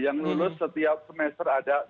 yang lulus setiap semester ada